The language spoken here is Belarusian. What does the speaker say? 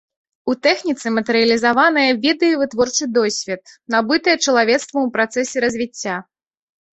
У тэхніцы матэрыялізаваныя веды і вытворчы досвед, набытыя чалавецтвам у працэсе развіцця.